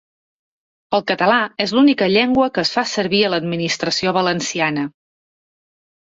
El català és l'única llengua que es fa servir a l'administració valenciana